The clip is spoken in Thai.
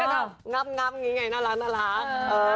ก็ทำงับงี้ไงน่ารัก